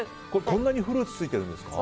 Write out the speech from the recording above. こんなにフルーツついてるんですか？